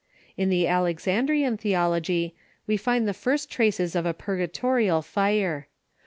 In the Alexandrian theolog}', we find the first traces of a purga torial fire.